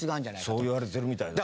そう言われてるみたいですね。